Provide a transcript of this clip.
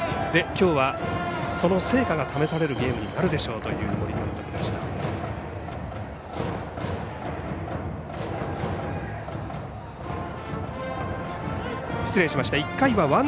きょうは、その成果が試されるゲームになるでしょうという森監督でした。